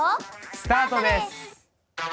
スタートです！